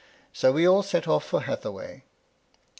So we all set off to Hathaway.